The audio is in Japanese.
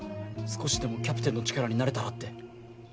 少しでもキャプテンの力になれたらって。